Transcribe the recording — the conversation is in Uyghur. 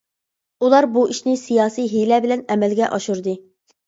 ئۇلار بۇ ئىشنى سىياسىي ھىيلە بىلەن ئەمەلگە ئاشۇردى.